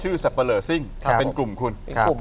ชื่อสับปะเลอร์ซิ่งเป็นกลุ่มคุณ